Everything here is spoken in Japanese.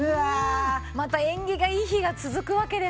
また縁起がいい日が続くわけですね。